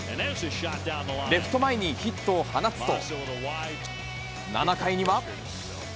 レフト前にヒットを放つと、７回には。